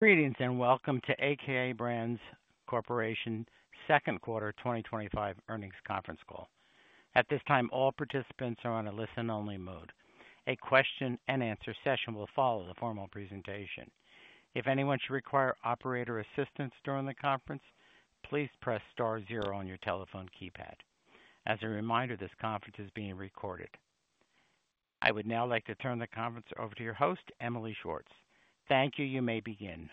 Greetings and welcome to a.k.a. Brands Corp.'s Second Quarter 2025 Earnings Conference Call. At this time, all participants are on a listen-only mode. A question and answer session will follow the formal presentation. If anyone should require operator assistance during the conference, please press *0 on your telephone keypad. As a reminder, this conference is being recorded. I would now like to turn the conference over to your host, Emily Schwartz. Thank you. You may begin.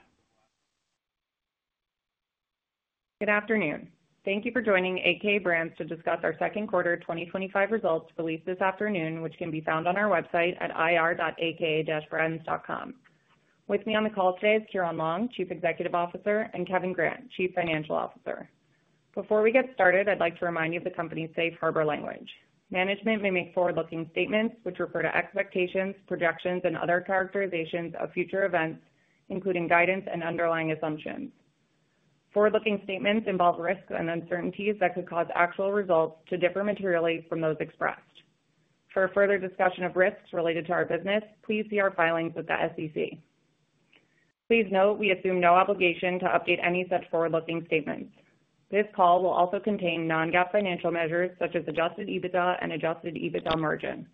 Good afternoon. Thank you for joining a.k.a. Brands to discuss our Second Quarter 2025 Results released this afternoon, which can be found on our website at ir.aka.brands.com. With me on the call today is Ciaran Long, Chief Executive Officer, and Kevin Grant, Chief Financial Officer. Before we get started, I'd like to remind you of the company's safe harbor language. Management may make forward-looking statements, which refer to expectations, projections, and other characterizations of future events, including guidance and underlying assumptions. Forward-looking statements involve risks and uncertainties that could cause actual results to differ materially from those expressed. For further discussion of risks related to our business, please see our filings with the SEC. Please note we assume no obligation to update any such forward-looking statements. This call will also contain non-GAAP financial measures such as adjusted EBITDA and adjusted EBITDA margin.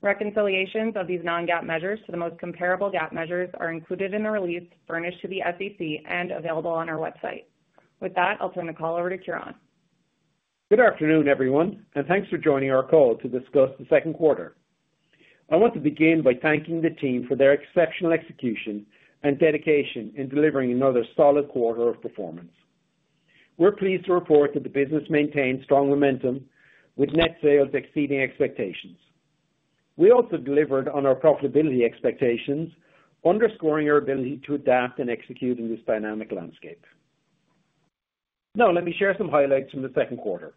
Reconciliations of these non-GAAP measures to the most comparable GAAP measures are included in the release furnished to the SEC and available on our website. With that, I'll turn the call over to Ciaran. Good afternoon, everyone, and thanks for joining our call to discuss the second quarter. I want to begin by thanking the team for their exceptional execution and dedication in delivering another solid quarter of performance. We're pleased to report that the business maintains strong momentum, with net sales exceeding expectations. We also delivered on our profitability expectations, underscoring our ability to adapt and execute in this dynamic landscape. Now, let me share some highlights from the second quarter.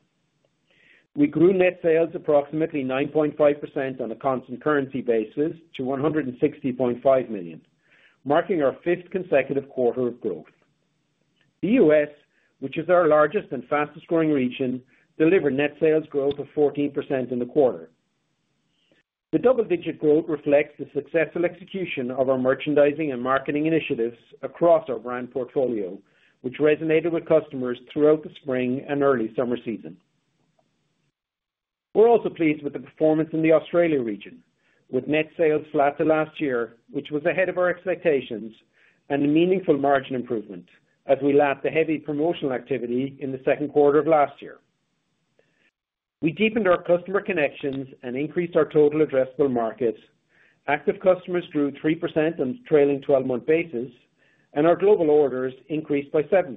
We grew net sales approximately 9.5% on a constant currency basis to $160.5 million, marking our fifth consecutive quarter of growth. The U.S., which is our largest and fastest growing region, delivered net sales growth of 14% in the quarter. The double-digit growth reflects the successful execution of our merchandising and marketing initiatives across our brand portfolio, which resonated with customers throughout the spring and early summer season. We're also pleased with the performance in the Australia region, with net sales flat to last year, which was ahead of our expectations, and a meaningful margin improvement as we lapped the heavy promotional activity in the second quarter of last year. We deepened our customer connections and increased our total addressable markets. Active customers grew 3% on a trailing 12-month basis, and our global orders increased by 7%.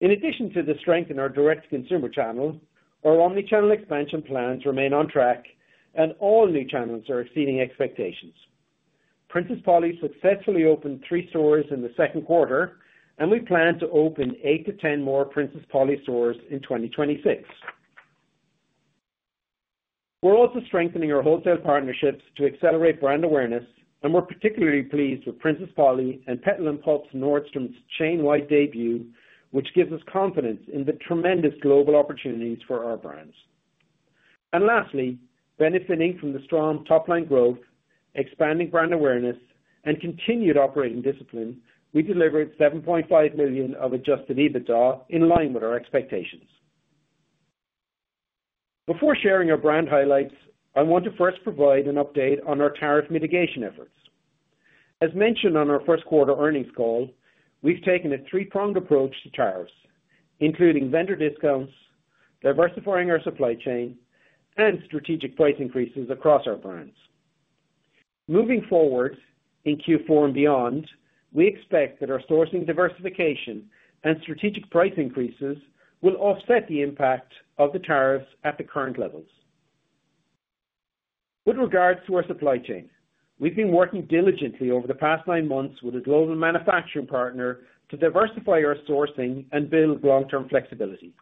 In addition to the strength in our direct-to-consumer channel, our omnichannel expansion plans remain on track, and all new channels are exceeding expectations. Princess Polly successfully opened three stores in the second quarter, and we plan to open eight to 10 more Princess Polly stores in 2026. We're also strengthening our wholesale partnerships to accelerate brand awareness, and we're particularly pleased with Princess Polly and Petal & Pup's Nordstrom chain-wide debut, which gives us confidence in the tremendous global opportunities for our brands. Lastly, benefiting from the strong top-line growth, expanding brand awareness, and continued operating discipline, we delivered $7.5 million of adjusted EBITDA in line with our expectations. Before sharing our brand highlights, I want to first provide an update on our tariff mitigation efforts. As mentioned on our first quarter earnings call, we've taken a three-pronged approach to tariffs, including vendor discounts, diversifying our supply chain, and strategic price increases across our brands. Moving forward in Q4 and beyond, we expect that our sourcing diversification and strategic price increases will offset the impact of the tariffs at the current levels. With regards to our supply chain, we've been working diligently over the past nine months with a global manufacturing partner to diversify our sourcing and build long-term flexibility.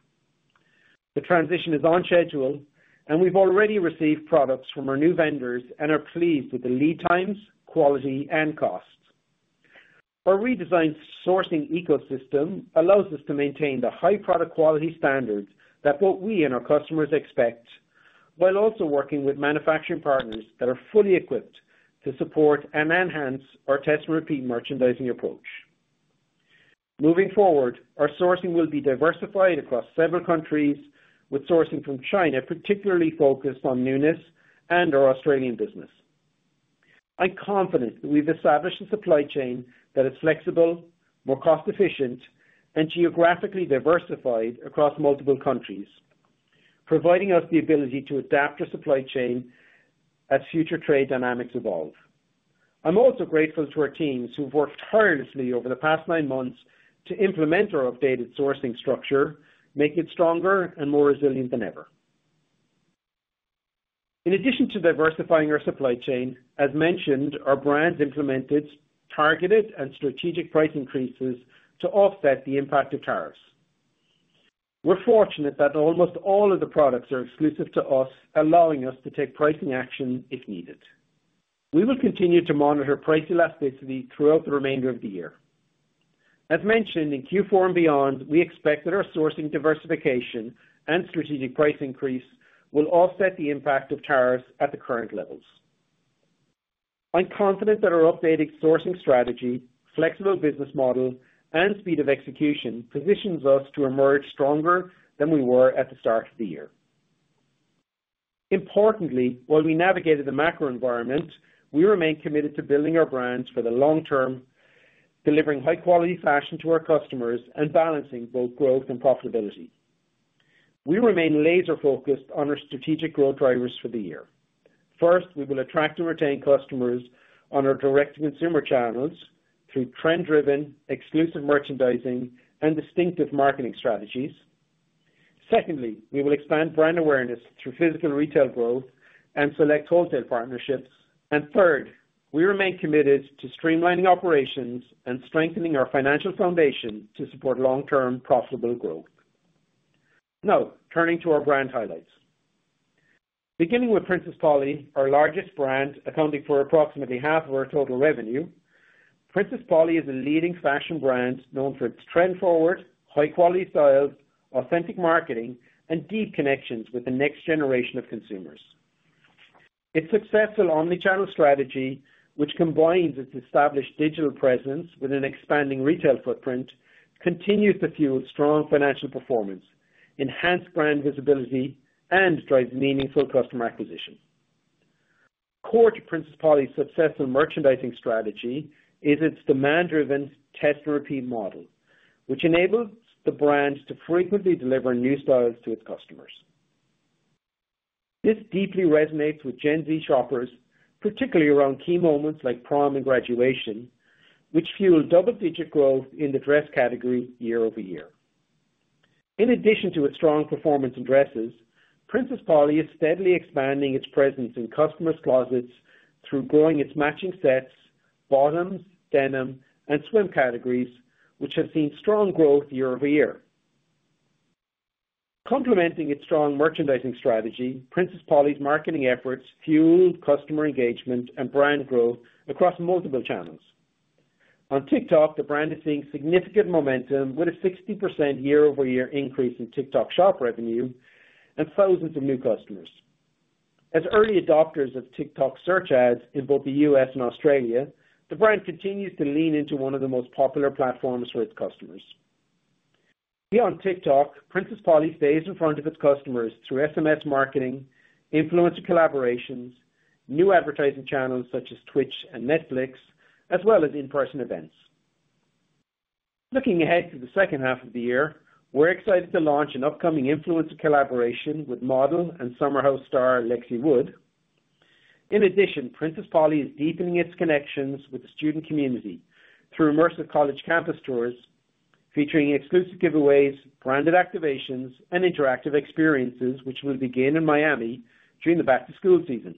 The transition is on schedule, and we've already received products from our new vendors and are pleased with the lead times, quality, and costs. Our redesigned sourcing ecosystem allows us to maintain the high product quality standards that both we and our customers expect, while also working with manufacturing partners that are fully equipped to support and enhance our test-and-repeat merchandising model. Moving forward, our sourcing will be diversified across several countries, with sourcing from China particularly focused on [MNML] and our Australian business. I'm confident that we've established a supply chain that is flexible, more cost-efficient, and geographically diversified across multiple countries, providing us the ability to adapt our supply chain as future trade dynamics evolve. I'm also grateful to our teams who've worked tirelessly over the past nine months to implement our updated sourcing structure, making it stronger and more resilient than ever. In addition to diversifying our supply chain, as mentioned, our brands implemented targeted and strategic price increases to offset the impact of tariffs. We're fortunate that almost all of the products are exclusive to us, allowing us to take pricing action if needed. We will continue to monitor price elasticity throughout the remainder of the year. As mentioned in Q4 and beyond, we expect that our sourcing diversification and strategic price increases will offset the impact of tariffs at the current levels. I'm confident that our updated sourcing strategy, flexible business model, and speed of execution positions us to emerge stronger than we were at the start of the year. Importantly, while we navigated the macro environment, we remain committed to building our brands for the long term, delivering high-quality fashion to our customers, and balancing both growth and profitability. We remain laser-focused on our strategic growth drivers for the year. First, we will attract and retain customers on our direct-to-consumer channels through trend-driven, exclusive merchandising, and distinctive marketing strategies. Secondly, we will expand brand awareness through physical retail growth and select wholesale partnerships. Third, we remain committed to streamlining operations and strengthening our financial foundation to support long-term profitable growth. Now, turning to our brand highlights. Beginning with Princess Polly, our largest brand, accounting for approximately half of our total revenue, Princess Polly is a leading fashion brand known for its trend-forward, high-quality styles, authentic marketing, and deep connections with the next generation of consumers. Its successful omnichannel strategy, which combines its established digital presence with an expanding retail footprint, continues to fuel strong financial performance, enhance brand visibility, and drive meaningful customer acquisition. Core to Princess Polly's successful merchandising strategy is its demand-driven test-and-repeat merchandising model, which enables the brand to frequently deliver new styles to its customers. This deeply resonates with Gen Z shoppers, particularly around key moments like prom and graduation, which fuel double-digit growth in the dress category year-over-year. In addition to its strong performance in dresses, Princess Polly is steadily expanding its presence in customers' closets through growing its matching sets, bottoms, denim, and swim categories, which have seen strong growth year-over-year. Complementing its strong merchandising strategy, Princess Polly's marketing efforts fueled customer engagement and brand growth across multiple channels. On TikTok, the brand is seeing significant momentum with a 60% year-over-year increase in TikTok shop revenue and thousands of new customers. As early adopters of TikTok search ads in both the U.S. and Australia, the brand continues to lean into one of the most popular platforms for its customers. Beyond TikTok, Princess Polly stays in front of its customers through SMS marketing, influencer collaborations, new advertising channels such as Twitch and Netflix, as well as in-person events. Looking ahead to the second half of the year, we're excited to launch an upcoming influencer collaboration with model and Summer House star Lexi Wood. In addition, Princess Polly is deepening its connections with the student community through immersive college campus tours, featuring exclusive giveaways, branded activations, and interactive experiences, which will begin in Miami during the back-to-school season.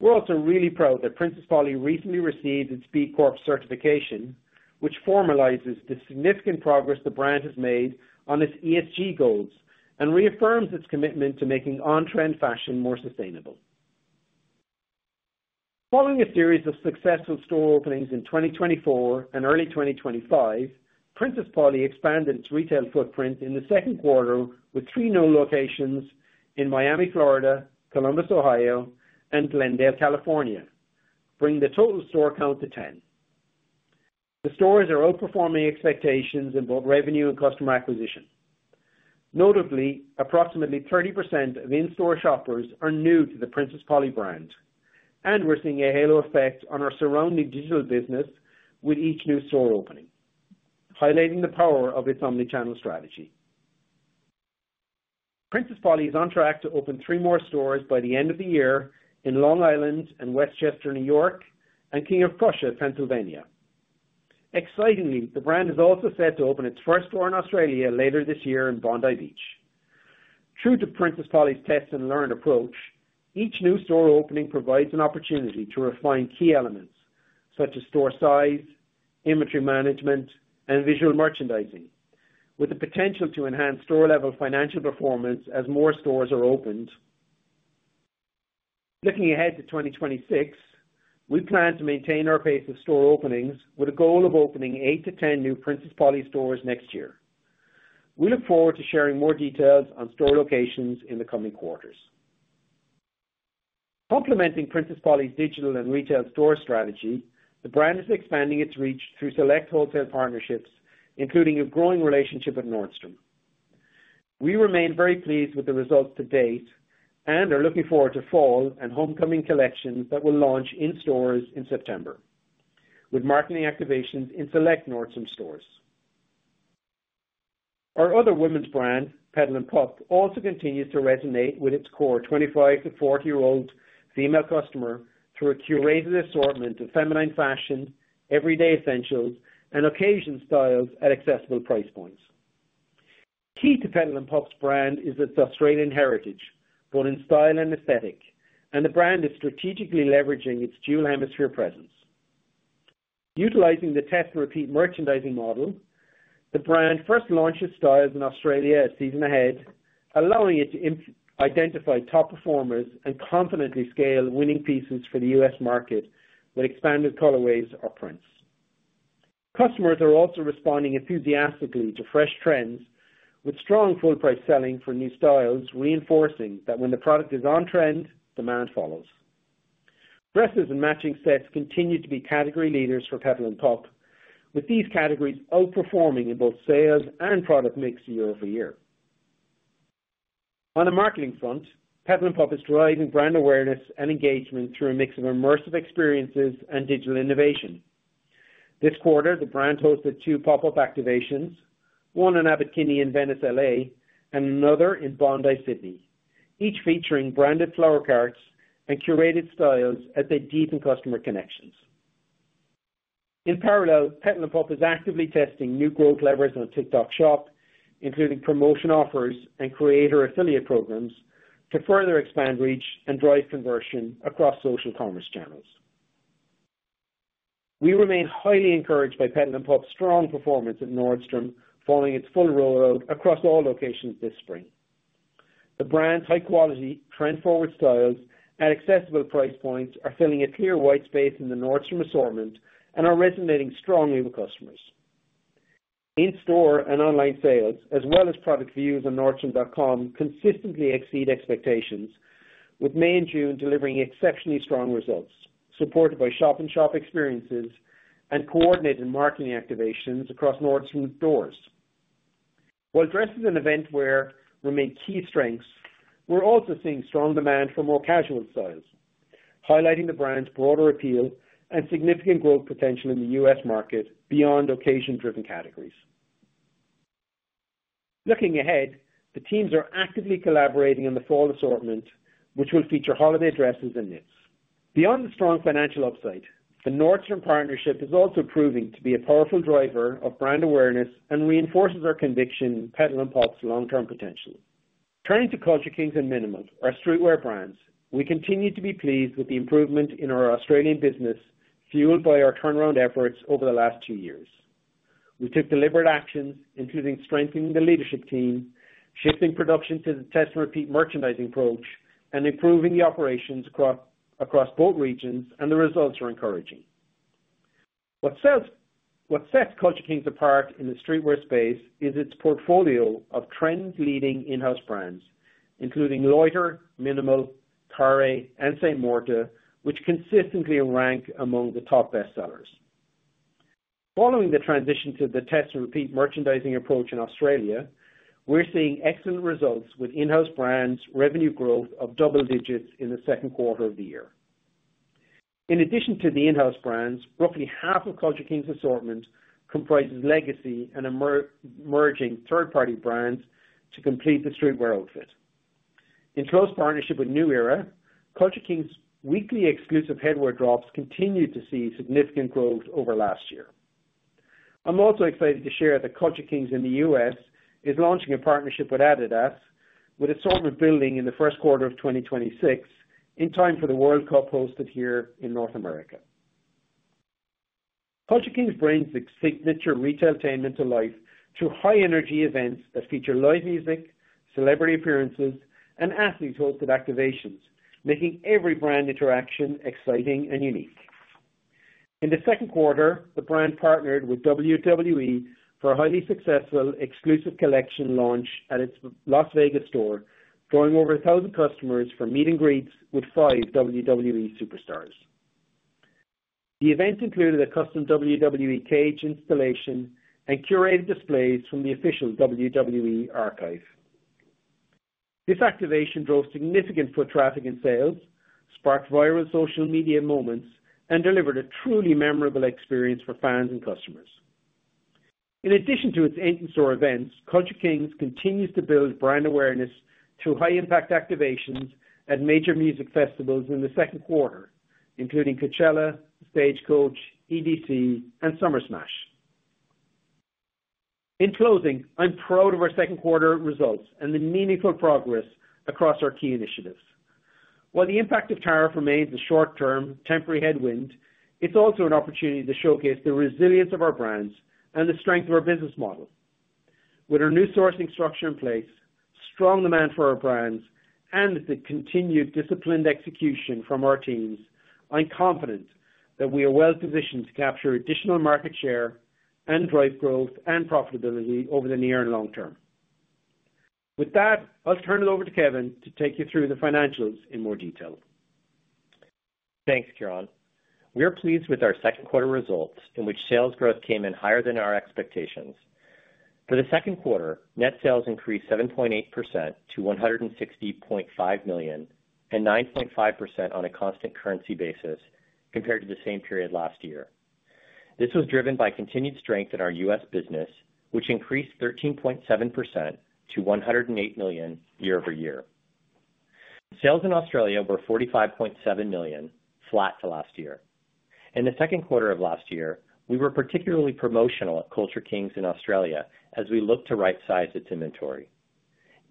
We're also really proud that Princess Polly recently received its B Corp certification, which formalizes the significant progress the brand has made on its ESG goals and reaffirms its commitment to making on-trend fashion more sustainable. Following a series of successful store openings in 2024 and early 2025, Princess Polly expanded its retail footprint in the second quarter with three new locations in Miami, Florida, Columbus, Ohio, and Glendale, California, bringing the total store count to 10. The stores are outperforming expectations in both revenue and customer acquisition. Notably, approximately 30% of in-store shoppers are new to the Princess Polly brand, and we're seeing a halo effect on our surrounding digital business with each new store opening, highlighting the power of its omnichannel strategy. Princess Polly is on track to open three more stores by the end of the year in Long Island and Westchester, New York, and King of Prussia, Pennsylvania. Excitingly, the brand is also set to open its first store in Australia later this year in Bondi Beach. True to Princess Polly's test-and-repeat merchandising model, each new store opening provides an opportunity to refine key elements such as store size, inventory management, and visual merchandising, with the potential to enhance store-level financial performance as more stores are opened. Looking ahead to 2026, we plan to maintain our pace of store openings with a goal of opening eight to 10 new Princess Polly stores next year. We look forward to sharing more details on store locations in the coming quarters. Complementing Princess Polly's digital and retail store strategy, the brand is expanding its reach through select wholesale partnerships, including a growing relationship with Nordstrom. We remain very pleased with the results to date and are looking forward to fall and homecoming collections that will launch in stores in September, with marketing activations in select Nordstrom stores. Our other women's brand, Petal & Pup, also continues to resonate with its core 25-40 year-old female customer through a curated assortment of feminine fashion, everyday essentials, and occasional styles at accessible price points. Key to Petal & Pup's brand is its Australian heritage, both in style and aesthetic, and the brand is strategically leveraging its dual-atmosphere presence. Utilizing the test-and-repeat merchandising model, the brand first launches styles in Australia a season ahead, allowing it to identify top performers and confidently scale winning pieces for the U.S. market with expanded colorways or prints. Customers are also responding enthusiastically to fresh trends, with strong full-price selling for new styles, reinforcing that when the product is on trend, demand follows. Dresses and matching sets continue to be category leaders for Petal & Pup, with these categories outperforming in both sales and product mix year-over-year. On the marketing front, Petal & Pup is driving brand awareness and engagement through a mix of immersive experiences and digital innovation. This quarter, the brand hosted two pop-up activations, one in Abbot Kinney in Venice, L.A., and another in Bondi Beach, Sydney, each featuring branded flower carts and curated styles that deepen customer connections. In parallel, Petal & Pup is actively testing new growth levers on TikTok/social commerce, including promotion offers and creator affiliate programs to further expand reach and drive conversion across social commerce channels. We remain highly encouraged by Petal & Pup's strong performance at Nordstrom, following its full rollout across all locations this spring. The brand's high-quality, trend-forward styles at accessible price points are filling a clear white space in the Nordstrom assortment and are resonating strongly with customers. In-store and online sales, as well as product views on Nordstrom.com, consistently exceed expectations, with May and June delivering exceptionally strong results, supported by shop-in-shop experiences and coordinated marketing activations across Nordstrom stores. While dress is an event where we make key strengths, we're also seeing strong demand for more casual styles, highlighting the brand's broader appeal and significant growth potential in the U.S. market beyond occasion-driven categories. Looking ahead, the teams are actively collaborating on the fall assortment, which will feature holiday dresses and knits. Beyond the strong financial upside, the Nordstrom partnership is also proving to be a powerful driver of brand awareness and reinforces our conviction in Petal & Pup's long-term potential. Turning to Culture Kings and MNML, our streetwear brands, we continue to be pleased with the improvement in our Australian business, fueled by our turnaround efforts over the last two years. We took deliberate action, including strengthening the leadership team, shifting production to the test-and-repeat merchandising model, and improving the operations across both regions, and the results are encouraging. What sets Culture Kings apart in the streetwear space is its portfolio of trend-leading in-house brands, including Loiter, MNML, Carré, and Saint Morta, which consistently rank among the top best sellers. Following the transition to the test-and-repeat merchandising model in Australia, we're seeing excellent results with in-house brands' revenue growth of double digits in the second quarter of the year. In addition to the in-house brands, roughly half of Culture Kings' assortment comprises legacy and emerging third-party brands to complete the streetwear outfit. In close partnership with New Era, Culture Kings' weekly exclusive headwear drops continue to see significant growth over last year. I'm also excited to share that Culture Kings in the U.S. is launching a partnership with Adidas, with assortment building in the first quarter of 2026, in time for the World Cup hosted here in North America. Culture Kings brings its signature retail attainment to life through high-energy events that feature live music, celebrity appearances, and athletes' hosted activations, making every brand interaction exciting and unique. In the second quarter, the brand partnered with WWE for a highly successful exclusive collection launch at its Las Vegas store, drawing over 1,000 customers for meet-and-greets with five WWE superstars. The event included a custom WWE cage installation and curated displays from the official WWE archive. This activation drove significant foot traffic and sales, sparked viral social media moments, and delivered a truly memorable experience for fans and customers. In addition to its in-store events, Culture Kings continues to build brand awareness through high-impact activations at major music festivals in the second quarter, including Coachella, Stagecoach, EDC, and Summer Smash. In closing, I'm proud of our second quarter results and the meaningful progress across our key initiatives. While the impact of tariff-related headwinds remains a short-term, temporary headwind, it's also an opportunity to showcase the resilience of our brands and the strength of our business model. With our new sourcing structure in place, strong demand for our brands, and the continued disciplined execution from our teams, I'm confident that we are well positioned to capture additional market share and drive growth and profitability over the near and long term. With that, I'll turn it over to Kevin to take you through the financials in more detail. Thanks, Ciaran. We are pleased with our second quarter results, in which sales growth came in higher than our expectations. For the second quarter, net sales increased 7.8% to $160.5 million and 9.5% on a constant currency basis compared to the same period last year. This was driven by continued strength in our U.S. business, which increased 13.7% to $108 million year-over-year. Sales in Australia were $45.7 million, flat for last year. In the second quarter of last year, we were particularly promotional at Culture Kings in Australia as we looked to right-size its inventory.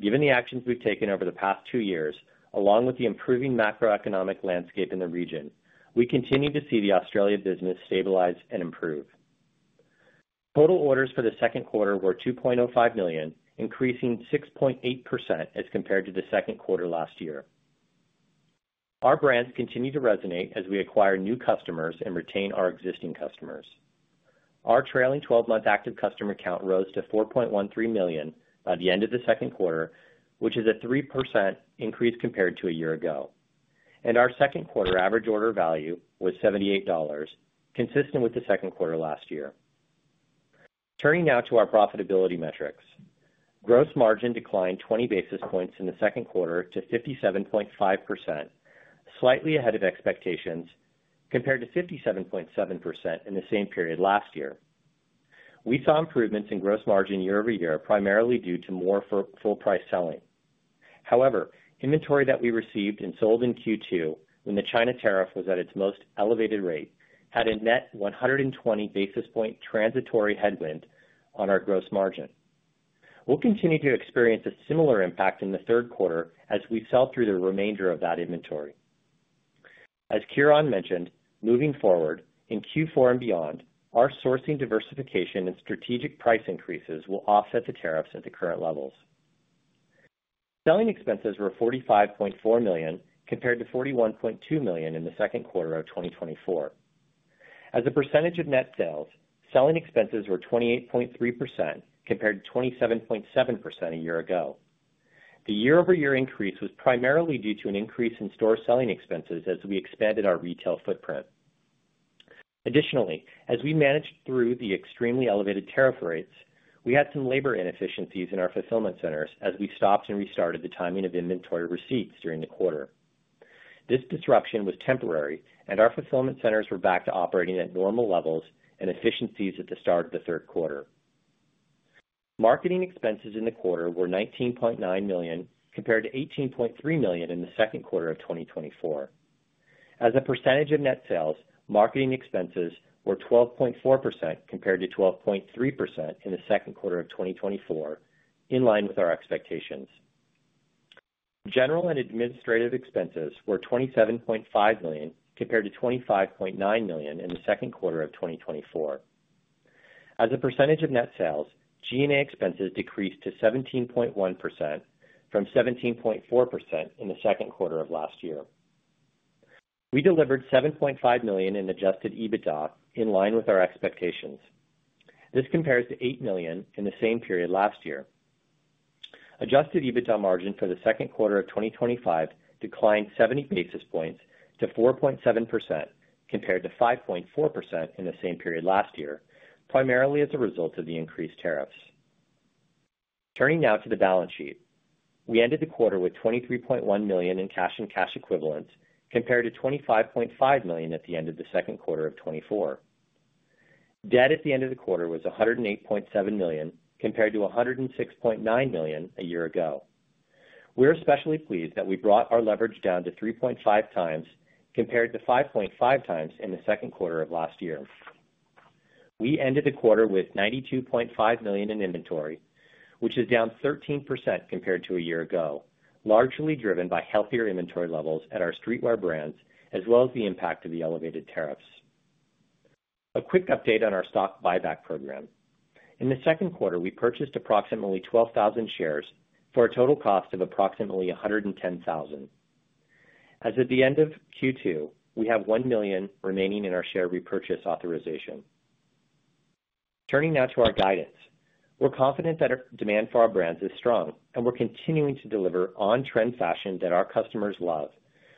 Given the actions we've taken over the past two years, along with the improving macroeconomic landscape in the region, we continue to see the Australian business stabilize and improve. Total orders for the second quarter were 2.05 million, increasing 6.8% as compared to the second quarter last year. Our brands continue to resonate as we acquire new customers and retain our existing customers. Our trailing 12-month active customer count rose to 4.13 million by the end of the second quarter, which is a 3% increase compared to a year ago. Our second quarter average order value was $78, consistent with the second quarter last year. Turning now to our profitability metrics, gross margin declined 20 basis points in the second quarter to 57.5%, slightly ahead of expectations compared to 57.7% in the same period last year. We saw improvements in gross margin year-over-year, primarily due to more full-price selling. However, inventory that we received and sold in Q2, when the China tariff was at its most elevated rate, had a net 120 basis point transitory headwind on our gross margin. We will continue to experience a similar impact in the third quarter as we sell through the remainder of that inventory. As Ciaran mentioned, moving forward in Q4 and beyond, our sourcing diversification and strategic price increases will offset the tariffs at the current levels. Selling expenses were $45.4 million compared to $41.2 million in the second quarter of 2024. As a percentage of net sales, selling expenses were 28.3% compared to 27.7% a year ago. The year-over-year increase was primarily due to an increase in store selling expenses as we expanded our retail footprint. Additionally, as we managed through the extremely elevated tariff rates, we had some labor inefficiencies in our fulfillment centers as we stopped and restarted the timing of inventory receipts during the quarter. This disruption was temporary, and our fulfillment centers were back to operating at normal levels and efficiencies at the start of the third quarter. Marketing expenses in the quarter were $19.9 million compared to $18.3 million in the second quarter of 2024. As a percentage of net sales, marketing expenses were 12.4% compared to 12.3% in the second quarter of 2024, in line with our expectations. General and administrative expenses were $27.5 million compared to $25.9 million in the second quarter of 2024. As a percentage of net sales, G&A expenses decreased to 17.1% from 17.4% in the second quarter of last year. We delivered $7.5 million in adjusted EBITDA in line with our expectations. This compares to $8 million in the same period last year. Adjusted EBITDA margin for the second quarter of 2025 declined 70 basis points to 4.7% compared to 5.4% in the same period last year, primarily as a result of the increased tariffs. Turning now to the balance sheet, we ended the quarter with $23.1 million in CCE compared to $25.5 million at the end of the second quarter of 2024. Debt at the end of the quarter was $108.7 million compared to $106.9 million a year ago. We're especially pleased that we brought our leverage down to 3.5x compared to 5.5x in the second quarter of last year. We ended the quarter with $92.5 million in inventory, which is down 13% compared to a year ago, largely driven by healthier inventory levels at our streetwear brands, as well as the impact of the elevated tariffs. A quick update on our stock buyback program. In the second quarter, we purchased approximately 12,000 shares for a total cost of approximately $110,000. As of the end of Q2, we have $1 million remaining in our share repurchase authorization. Turning now to our guidance, we're confident that our demand for our brands is strong, and we're continuing to deliver on-trend fashion that our customers love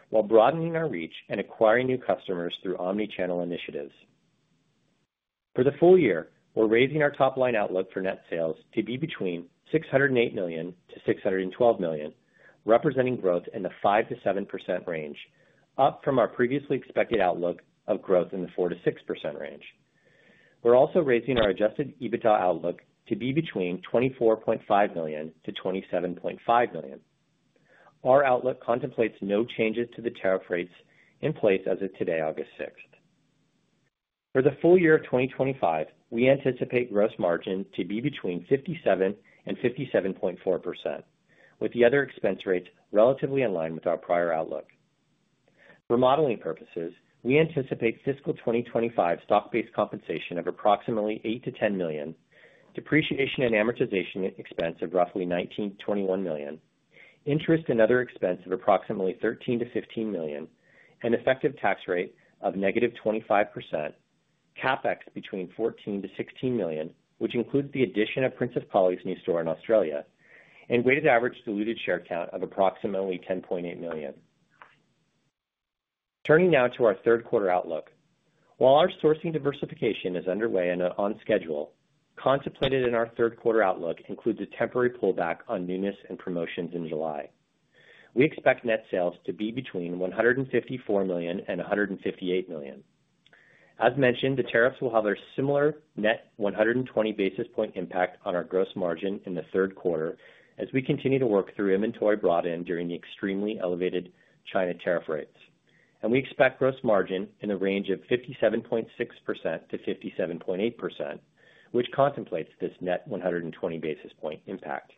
while broadening our reach and acquiring new customers through omnichannel initiatives. For the full year, we're raising our top-line outlook for net sales to be between $608 million-$612 million, representing growth in the 5%-7% range, up from our previously expected outlook of growth in the 4%-6% range. We're also raising our adjusted EBITDA outlook to be between $24.5 million-$27.5 million. Our outlook contemplates no changes to the tariff rates in place as of today, August 6th. For the full year of 2025, we anticipate gross margin to be between 57% and 57.4%, with the other expense rates relatively in line with our prior outlook. For modeling purposes, we anticipate fiscal 2025 stock-based compensation of approximately $8-$10 million, depreciation and amortization expense of roughly $19-$21 million, interest and other expense of approximately $13-$15 million, an effective tax rate of -25%, CapEx between $14-$16 million, which includes the addition of Princess Polly's new store in Australia, and weighted average diluted share count of approximately 10.8 million. Turning now to our third quarter outlook, while our sourcing diversification is underway and on schedule, contemplated in our third quarter outlook includes a temporary pullback on Núñez and promotions in July. We expect net sales to be between $154 million and $158 million. The tariffs will have a similar net 120 basis point impact on our gross margin in the third quarter as we continue to work through inventory brought in during the extremely elevated China tariff rates. We expect gross margin in the range of 57.6%-57.8%, which contemplates this net 120 basis point impact.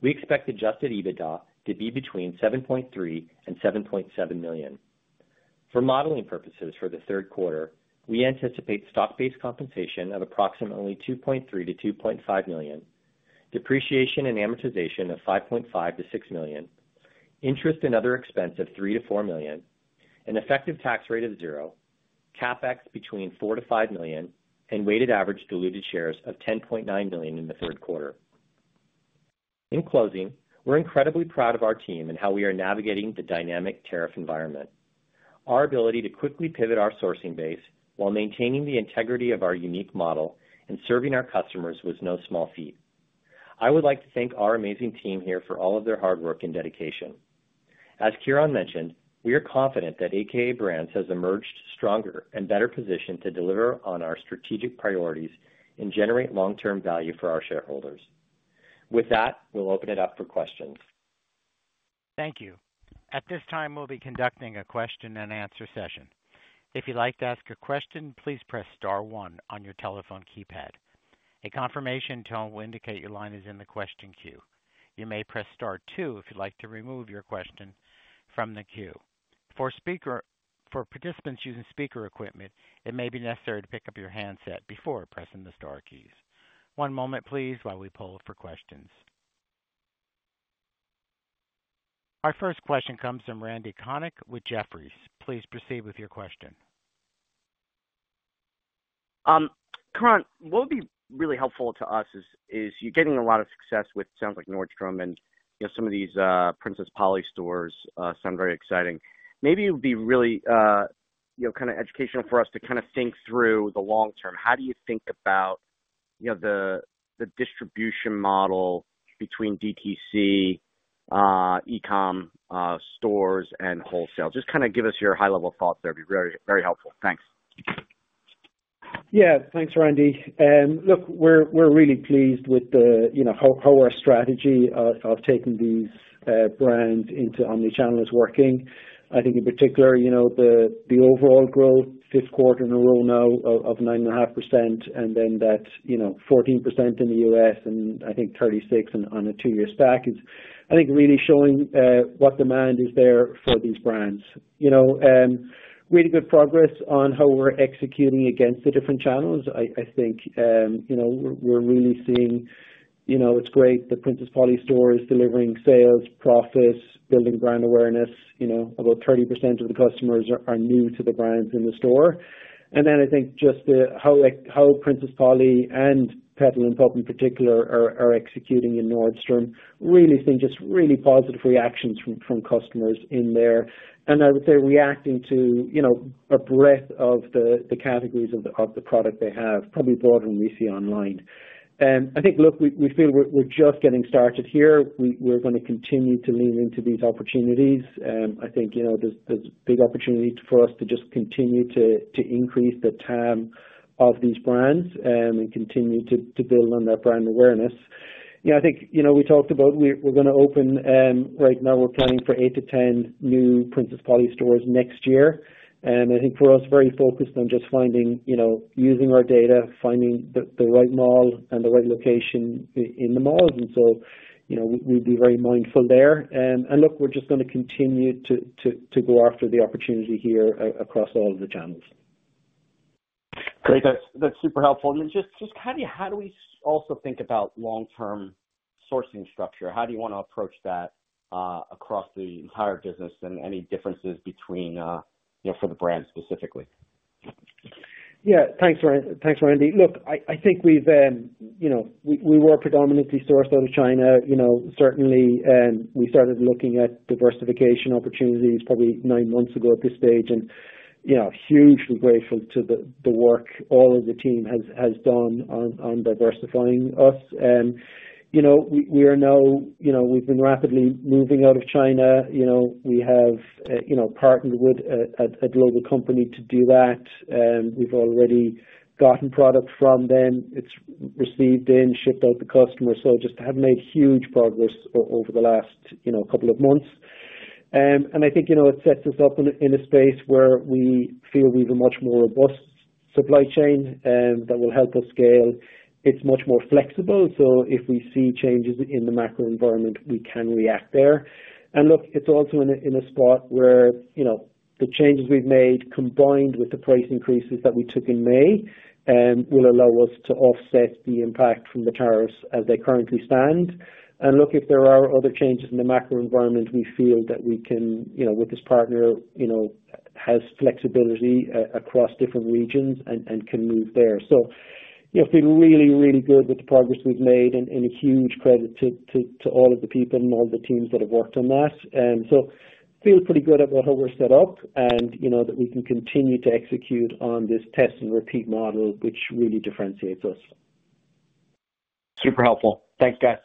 We expect adjusted EBITDA to be between $7.3 and $7.7 million. For modeling purposes for the third quarter, we anticipate stock-based compensation of approximately $2.3-$2.5 million, depreciation and amortization of $5.5-$6 million, interest and other expense of $3-$4 million, an effective tax rate of zero, CapEx between $4-$5 million, and weighted average diluted shares of 10.9 million in the third quarter. In closing, we're incredibly proud of our team and how we are navigating the dynamic tariff environment. Our ability to quickly pivot our sourcing base while maintaining the integrity of our unique model and serving our customers was no small feat. I would like to thank our amazing team here for all of their hard work and dedication. As Ciaran mentioned, we are confident that a.k.a. Brands has emerged stronger and better positioned to deliver on our strategic priorities and generate long-term value for our shareholders. With that, we'll open it up for questions. Thank you. At this time, we'll be conducting a question and answer session. If you'd like to ask a question, please press *1 on your telephone keypad. A confirmation tone will indicate your line is in the question queue. You may press *2 if you'd like to remove your question from the queue. For participants using speaker equipment, it may be necessary to pick up your handset before pressing the * keys. One moment, please, while we poll for questions. Our first question comes from Randy Konik with Jefferies. Please proceed with your question. Ciaran, what would be really helpful to us is you're getting a lot of success with, it sounds like, Nordstrom and some of these Princess Polly stores sound very exciting. Maybe it would be really kind of educational for us to think through the long term. How do you think about the distribution model between DTC, e-com stores, and wholesale? Just give us your high-level thoughts. That would be very, very helpful. Thanks. Yeah, thanks, Randy. We're really pleased with how our strategy of taking these brands into omnichannel is working. I think in particular, the overall growth, fifth quarter in a row now of 9.5%, and then that 14% in the U.S., and I think 36% on a two-year stack is really showing what demand is there for these brands. Really good progress on how we're executing against the different channels. We're really seeing it's great that Princess Polly store is delivering sales, profits, building brand awareness. About 30% of the customers are new to the brands in the store. I think just how Princess Polly and Petal & Pup in particular are executing in Nordstrom, really seeing just really positive reactions from customers in there. I would say reacting to a breadth of the categories of the product they have, probably broader than we see online. We feel we're just getting started here. We're going to continue to lean into these opportunities. There's a big opportunity for us to just continue to increase the TAM of these brands and continue to build on that brand awareness. We talked about we're going to open, right now we're planning for eight to ten new Princess Polly stores next year. For us, very focused on just finding, using our data, finding the right mall and the right location in the malls. We'll be very mindful there. We're just going to continue to go after the opportunity here across all of the channels. Great. That's super helpful. How do you also think about long-term sourcing structure? How do you want to approach that across the entire business, and any differences between, you know, for the brand specifically? Yeah, thanks, Randy. Look, I think we've, you know, we were predominantly sourced out of China. Certainly, we started looking at diversification opportunities probably nine months ago at this stage. I'm hugely grateful to the work all of the team has done on diversifying us. We are now, you know, we've been rapidly moving out of China. We have partnered with a global company to do that, and we've already gotten products from them. It's received in, shipped out to customers. Just have made huge progress over the last couple of months. I think it sets us up in a space where we feel we have a much more robust supply chain that will help us scale. It's much more flexible. If we see changes in the macro environment, we can react there. It's also in a spot where the changes we've made combined with the price increases that we took in May will allow us to offset the impact from the tariffs as they currently stand. If there are other changes in the macro environment, we feel that we can, with this partner, have flexibility across different regions and can move there. Feel really, really good with the progress we've made and a huge credit to all of the people and all the teams that have worked on that. I feel pretty good about how we're set up and that we can continue to execute on this test-and-repeat merchandising model, which really differentiates us. Super helpful. Thanks, guys.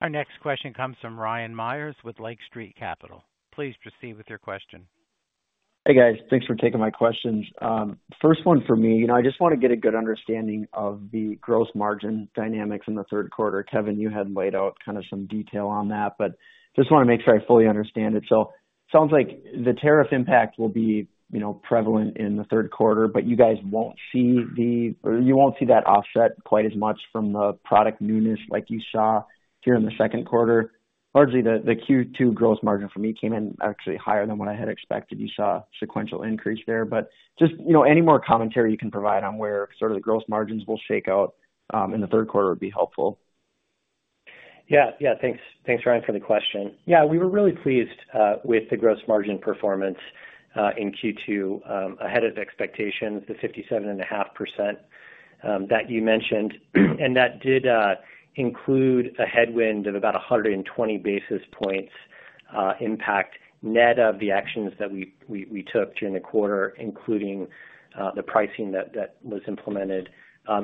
Our next question comes from Ryan Meyers with Lake Street Capital. Please proceed with your question. Hey, guys. Thanks for taking my questions. First one for me, I just want to get a good understanding of the gross margin dynamics in the third quarter. Kevin, you had laid out kind of some detail on that, but just want to make sure I fully understand it. It sounds like the tariff impact will be prevalent in the third quarter, but you guys won't see, or you won't see that offset quite as much from the product newness like you saw here in the second quarter. Largely, the Q2 gross margin for me came in actually higher than what I had expected. You saw a sequential increase there. Any more commentary you can provide on where sort of the gross margins will shake out in the third quarter would be helpful. Yeah, thanks, Ryan, for the question. We were really pleased with the gross margin performance in Q2 ahead of expectations, the 57.5% that you mentioned. That did include a headwind of about 120 basis points impact net of the actions that we took during the quarter, including the pricing that was implemented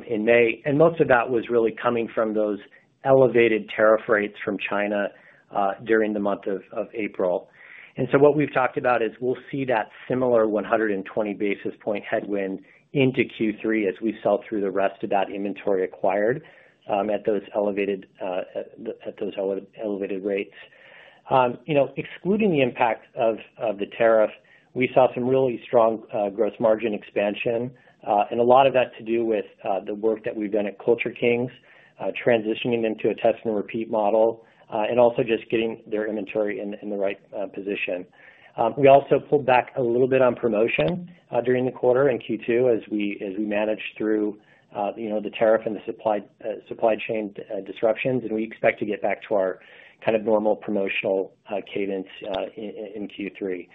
in May. Most of that was really coming from those elevated tariff rates from China during the month of April. What we've talked about is we'll see that similar 120 basis point headwind into Q3 as we sell through the rest of that inventory acquired at those elevated rates. Excluding the impact of the tariff, we saw some really strong gross margin expansion, and a lot of that to do with the work that we've done at Culture Kings, transitioning them to a test-and-repeat merchandising model, and also just getting their inventory in the right position. We also pulled back a little bit on promotion during the quarter in Q2 as we managed through the tariff and the supply chain disruptions, and we expect to get back to our kind of normal promotional cadence in Q3.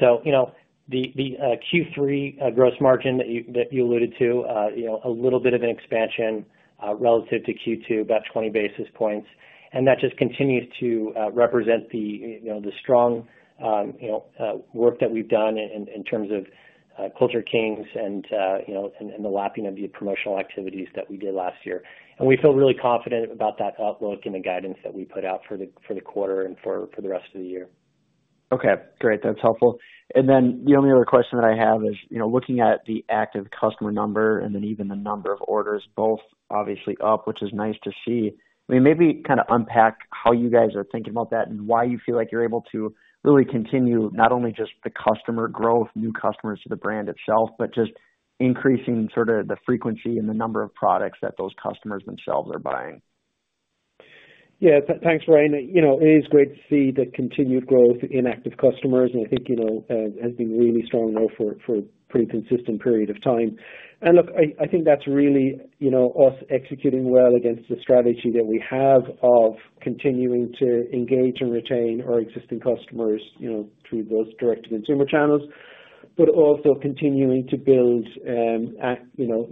The Q3 gross margin that you alluded to, a little bit of an expansion relative to Q2, about 20 basis points, just continues to represent the strong work that we've done in terms of Culture Kings and the lapping of the promotional activities that we did last year. We feel really confident about that outlook and the guidance that we put out for the quarter and for the rest of the year. Okay, great. That's helpful. The only other question that I have is, you know, looking at the active customer number and then even the number of orders, both obviously up, which is nice to see. I mean, maybe kind of unpack how you guys are thinking about that and why you feel like you're able to really continue not only just the customer growth, new customers to the brand itself, but just increasing sort of the frequency and the number of products that those customers themselves are buying. Yeah, thanks, Ryan. It is great to see the continued growth in active customers, and I think it has been really strong now for a pretty consistent period of time. I think that's really us executing well against the strategy that we have of continuing to engage and retain our existing customers through those direct-to-consumer channels, but also continuing to build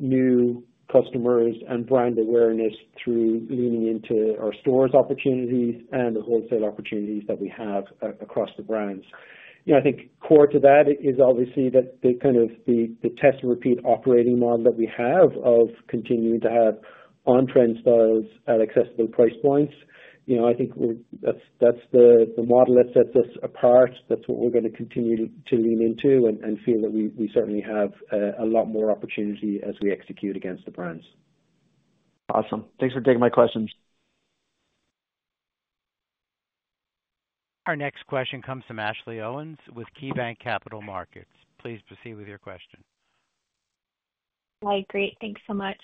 new customers and brand awareness through leaning into our stores' opportunities and the wholesale opportunities that we have across the brands. I think core to that is obviously the kind of the test-and-repeat merchandising model that we have of continuing to have on-trend styles at accessible price points. I think that's the model that sets us apart. That's what we're going to continue to lean into and feel that we certainly have a lot more opportunity as we execute against the brands. Awesome. Thanks for taking my questions. Our next question comes from Ashley Owens with KeyBanc Capital Markets. Please proceed with your question. Hi. Great. Thanks so much.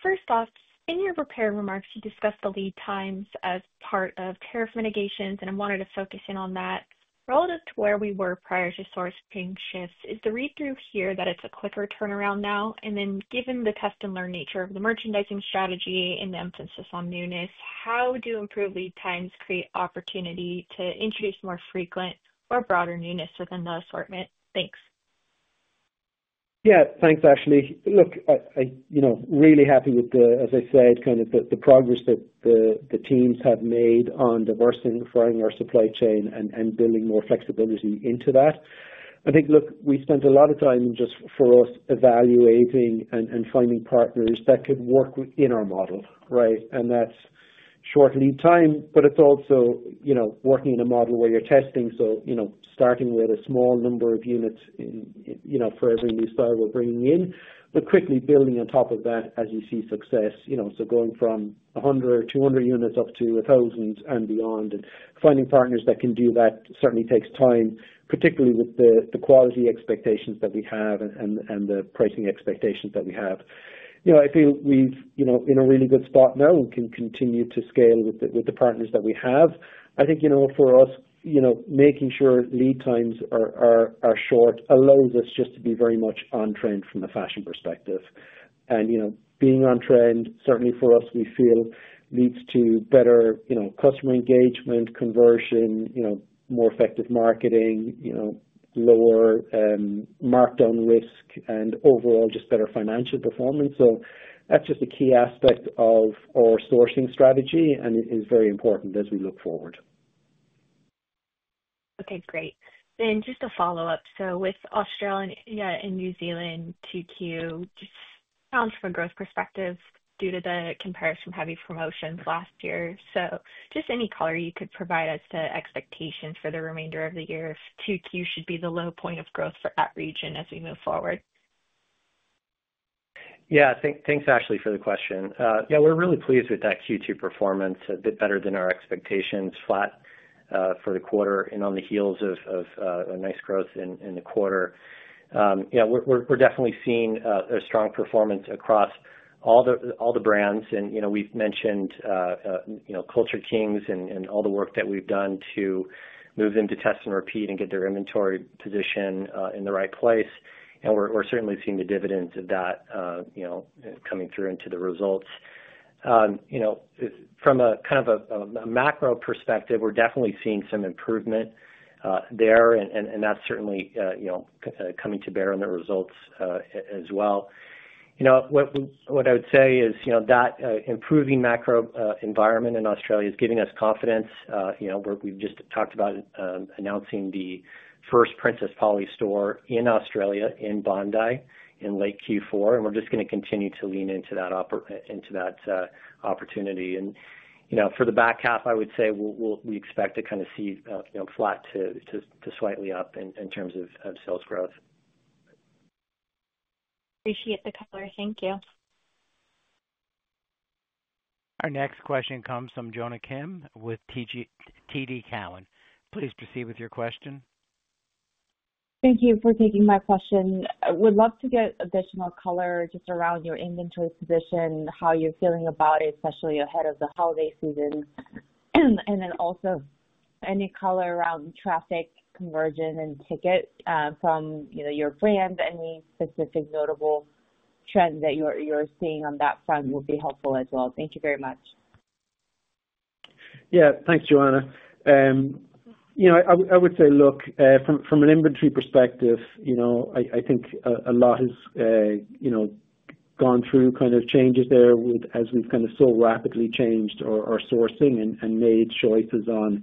First off, in your prepared remarks, you discussed the lead times as part of tariff mitigations, and I wanted to focus in on that. Relative to where we were prior to sourcing shifts, is the read-through here that it's a quicker turnaround now? Given the test-and-repeat merchandising model and the emphasis on newness, how do improved lead times create opportunity to introduce more frequent or broader newness within the assortment? Thanks. Yeah, thanks, Ashley. Look, I'm really happy with, as I said, the progress that the teams have made on diversifying our supply chain and building more flexibility into that. I think we spent a lot of time evaluating and finding partners that could work in our model, right? That's short lead time, but it's also working in a model where you're testing. Starting with a small number of units for every new style we're bringing in, but quickly building on top of that as you see success. Going from 100, 200 units up to 1,000 and beyond and finding partners that can do that certainly takes time, particularly with the quality expectations that we have and the pricing expectations that we have. I feel we're in a really good spot now and can continue to scale with the partners that we have. For us, making sure lead times are short allows us to be very much on-trend from the fashion perspective. Being on-trend certainly for us, we feel, leads to better customer engagement, conversion, more effective marketing, lower markdown risk, and overall just better financial performance. That's just a key aspect of our sourcing strategy, and it is very important as we look forward. Okay, great. Just a follow-up. With Australia and New Zealand, 2Q just comes from a growth perspective due to the comparison from heavy promotions last year. Any color you could provide as to expectations for the remainder of the year? 2Q should be the low point of growth for that region as we move forward. Yeah, thanks, Ashley, for the question. We're really pleased with that Q2 performance, a bit better than our expectations, flat for the quarter and on the heels of a nice growth in the quarter. We're definitely seeing a strong performance across all the brands. We've mentioned Culture Kings and all the work that we've done to move them to test and repeat and get their inventory position in the right place. We're certainly seeing the dividends of that coming through into the results. From a kind of a macro perspective, we're definitely seeing some improvement there, and that's certainly coming to bear in the results as well. What I would say is that improving macro environment in Australia is giving us confidence. We've just talked about announcing the first Princess Polly store in Australia in Bondi in late Q4, and we're just going to continue to lean into that opportunity. For the back half, I would say we expect to kind of see flat to slightly up in terms of sales growth. Appreciate the color. Thank you. Our next question comes from Jonna Kim with TD Cowen. Please proceed with your question. Thank you for taking my question. I would love to get additional color just around your inventory position, how you're feeling about it, especially ahead of the holiday season. Also, any color around traffic, conversion, and ticket from your brand, any specific notable trend that you're seeing on that front would be helpful as well. Thank you very much. Yeah, thanks, Joanna. I would say, look, from an inventory perspective, I think a lot has gone through kind of changes there as we've so rapidly changed our sourcing and made choices on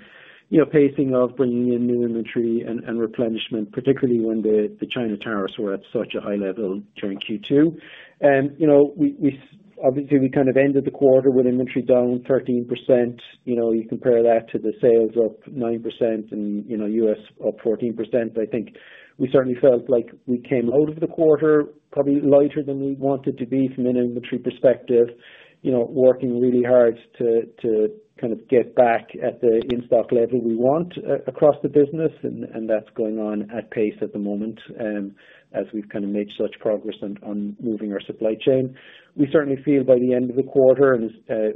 pacing of bringing in new inventory and replenishment, particularly when the China tariffs were at such a high level during Q2. We obviously ended the quarter with inventory down 13%. You compare that to the sales up 9% and U.S. up 14%. I think we certainly felt like we came out of the quarter probably lighter than we wanted to be from an inventory perspective, working really hard to kind of get back at the in-stock level we want across the business. That's going on at pace at the moment. As we've made such progress on moving our supply chain, we certainly feel by the end of the quarter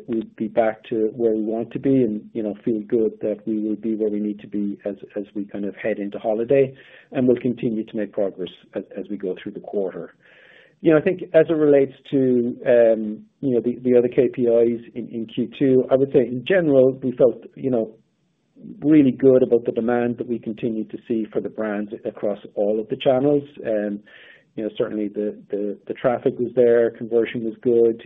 we'll be back to where we want to be and feel good that we will be where we need to be as we head into holiday and will continue to make progress as we go through the quarter. I think as it relates to the other KPIs in Q2, I would say in general, we felt really good about the demand that we continue to see for the brands across all of the channels. Certainly the traffic was there, conversion was good.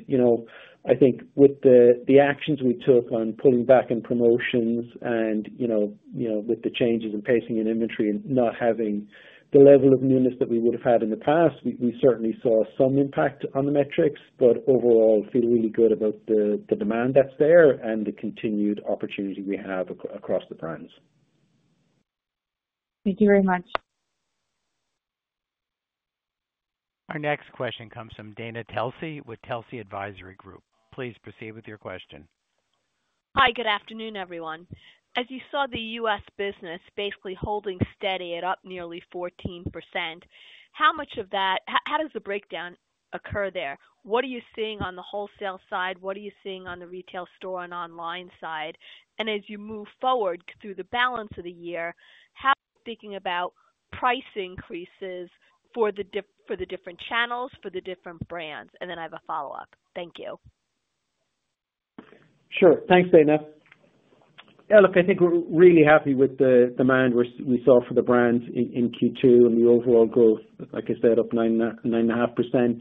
I think with the actions we took on pulling back in promotions and with the changes in pacing and inventory and not having the level of newness that we would have had in the past, we certainly saw some impact on the metrics, but overall feel really good about the demand that's there and the continued opportunity we have across the brands. Thank you very much. Our next question comes from Dana Telsey with Telsey Advisory Group. Please proceed with your question. Hi, good afternoon, everyone. As you saw, the U.S. business basically holding steady at up nearly 14%. How much of that, how does the breakdown occur there? What are you seeing on the wholesale side? What are you seeing on the retail store and online side? As you move forward through the balance of the year, how, thinking about price increases for the different channels, for the different brands? I have a follow-up. Thank you. Sure. Thanks, Dana. Yeah, look, I think we're really happy with the demand we saw for the brands in Q2 and the overall growth, like I said, up 9.5%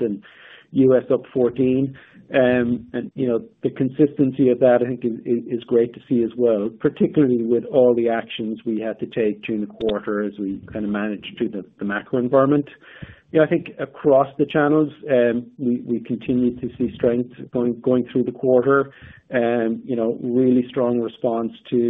and U.S. up 14%. The consistency of that, I think, is great to see as well, particularly with all the actions we had to take during the quarter as we kind of managed through the macro environment. I think across the channels, we continue to see strength going through the quarter. Really strong response to,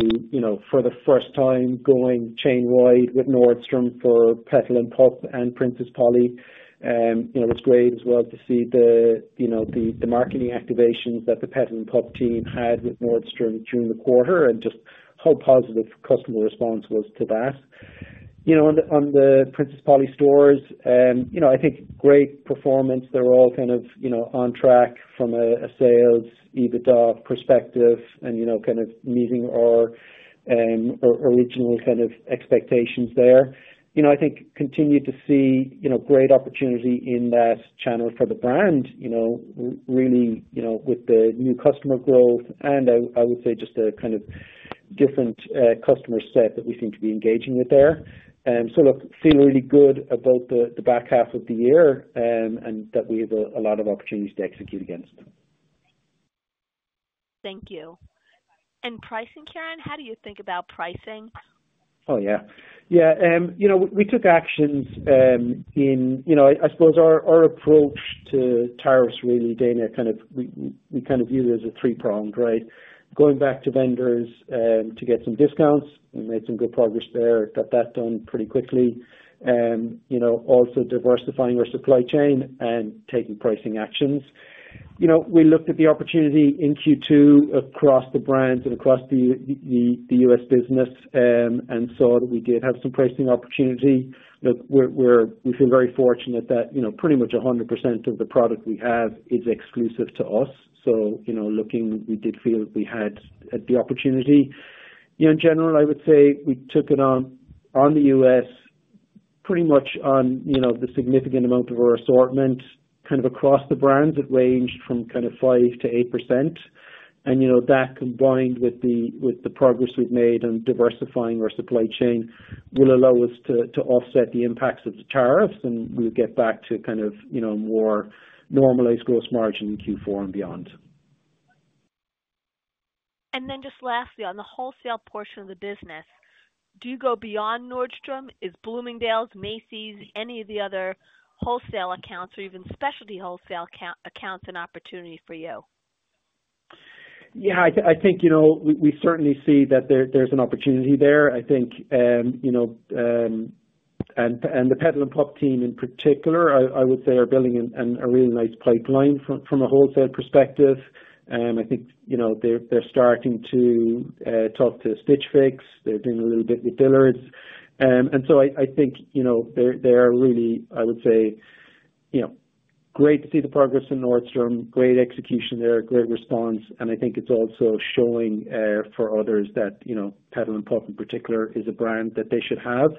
for the first time, going chain-wide with Nordstrom for Petal & Pup and Princess Polly. It was great as well to see the marketing activations that the Petal & Pup team had with Nordstrom during the quarter and just how positive customer response was to that. On the Princess Polly stores, I think great performance. They're all kind of on track from a sales EBITDA perspective and kind of meeting our original expectations there. I think we continue to see great opportunity in that channel for the brand, really with the new customer growth and I would say just a kind of different customer set that we seem to be engaging with there. Look, feel really good about the back half of the year and that we have a lot of opportunities to execute against. Thank you. Pricing, Ciaran, how do you think about pricing? Oh, yeah. Yeah. You know, we took actions in, you know, I suppose our approach to tariffs really, Dana, kind of we kind of viewed it as a three-pronged, right? Going back to vendors to get some discounts. We made some good progress there, got that done pretty quickly. You know, also diversifying our supply chain and taking pricing actions. You know, we looked at the opportunity in Q2 across the brands and across the U.S. business and saw that we did have some pricing opportunity. Look, we feel very fortunate that, you know, pretty much 100% of the product we have is exclusive to us. You know, looking, we did feel we had the opportunity. In general, I would say we took it on on the U.S. pretty much on, you know, the significant amount of our assortment kind of across the brands. It ranged from kind of 5%-8%. That combined with the progress we've made on diversifying our supply chain will allow us to offset the impacts of the tariffs and we'll get back to kind of, you know, more normalized gross margin in Q4 and beyond. Lastly, on the wholesale portion of the business, do you go beyond Nordstrom? Is Bloomingdale's, Macy's, any of the other wholesale accounts or even specialty wholesale accounts an opportunity for you? Yeah, I think we certainly see that there's an opportunity there. I think the Petal & Pup team in particular, I would say, are building a really nice pipeline from a wholesale perspective. I think they're starting to talk to Stitch Fix. They're doing a little bit with Dillard's. I think they're really, I would say, great to see the progress in Nordstrom, great execution there, great response. I think it's also showing for others that Petal & Pup in particular is a brand that they should have.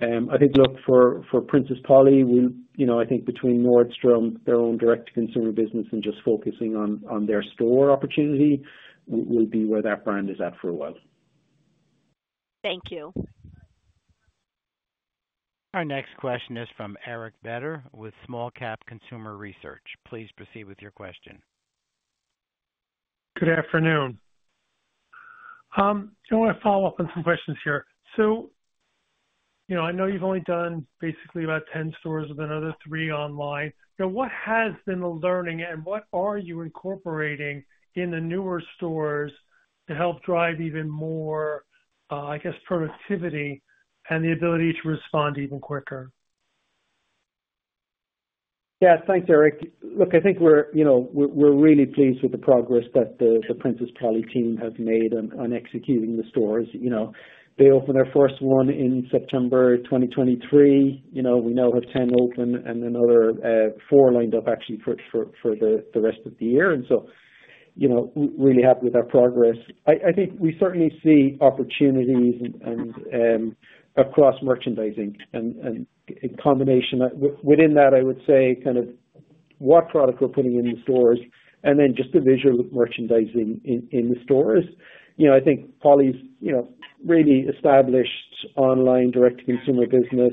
I think, look, for Princess Polly, I think between Nordstrom, their own direct-to-consumer business, and just focusing on their store opportunity will be where that brand is at for a while. Thank you. Our next question is from Eric Beder with Small Cap Consumer Research. Please proceed with your question. Good afternoon. I want to follow up on some questions here. I know you've only done basically about 10 stores with another three online. What has been the learning and what are you incorporating in the newer stores to help drive even more productivity and the ability to respond even quicker? Yeah, thanks, Eric. I think we're really pleased with the progress that the Princess Polly team has made on executing the stores. They opened their first one in September 2023. We now have 10 open and another four lined up actually for the rest of the year. We're really happy with our progress. I think we certainly see opportunities across merchandising and in combination within that, I would say kind of what product we're putting in the stores and then just the visual merchandising in the stores. I think Polly's really established online direct-to-consumer business.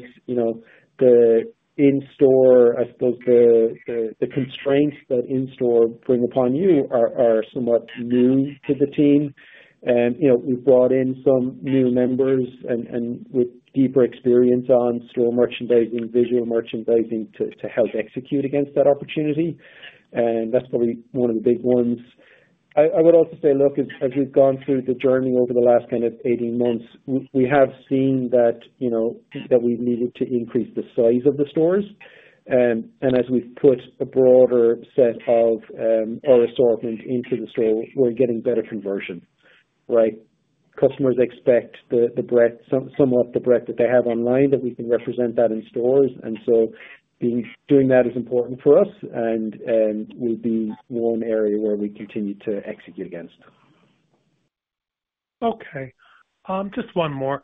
The in-store, I suppose the constraints that in-store bring upon you are somewhat new to the team. We've brought in some new members with deeper experience on store merchandising, visual merchandising to help execute against that opportunity. That's probably one of the big ones. I would also say as we've gone through the journey over the last 18 months, we have seen that we've needed to increase the size of the stores. As we've put a broader set of our assortment into the store, we're getting better conversion, right? Customers expect the breadth, somewhat the breadth that they have online, that we can represent that in stores. Doing that is important for us and will be one area where we continue to execute against. Okay. Just one more.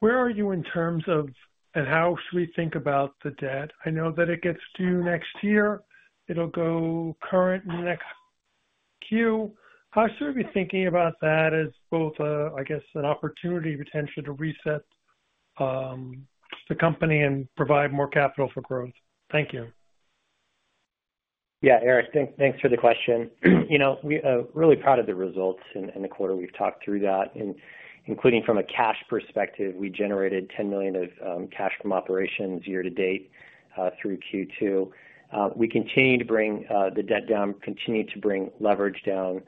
Where are you in terms of and how should we think about the debt? I know that it gets due next year. It'll go current in the next Q. How should we be thinking about that as both, I guess, an opportunity potentially to reset the company and provide more capital for growth? Thank you. Yeah, Eric, thanks for the question. We're really proud of the results in the quarter. We've talked through that, and including from a cash perspective, we generated $10 million of cash from operations year to date through Q2. We continue to bring the debt down, continue to bring leverage down.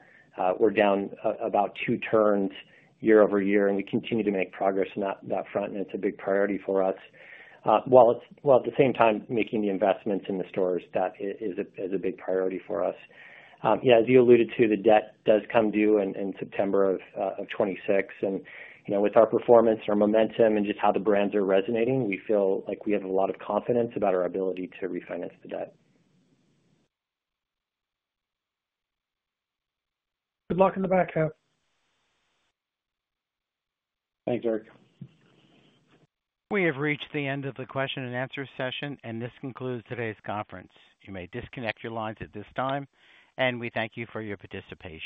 We're down about two turns year-over-year, and we continue to make progress on that front, and it's a big priority for us. While at the same time making the investments in the stores, that is a big priority for us. As you alluded to, the debt does come due in September of 2026. With our performance, our momentum, and just how the brands are resonating, we feel like we have a lot of confidence about our ability to refinance the debt. Good luck in the back half. Thanks, Eric. We have reached the end of the question and answer session, and this concludes today's conference. You may disconnect your lines at this time, and we thank you for your participation.